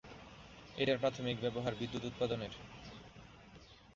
এটার প্রাথমিক ব্যবহার বিদ্যুৎ উৎপাদনের।